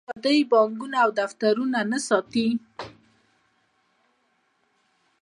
آیا دوی بانکونه او دفترونه نه ساتي؟